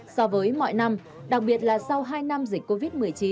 so với mọi năm đặc biệt là sau hai năm dịch covid một mươi chín